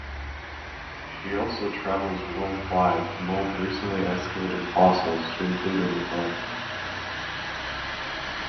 She also travels worldwide to mold recently excavated fossils to include in the collection.